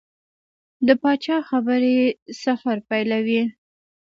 د پاچا خبرې سفر پیلوي.